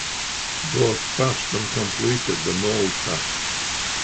Both passed and completed the mole task.